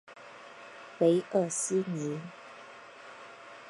韦尔西尼。